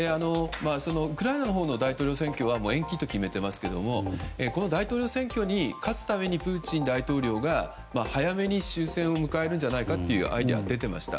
ウクライナのほうの大統領選挙は延期と決めていますがこの大統領選挙に勝つためにプーチン大統領は早めに終戦を迎えるんじゃないかというアイデアが出ていました。